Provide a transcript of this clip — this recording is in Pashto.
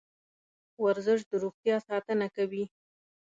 ورزش د روغتیا ساتنه کوي.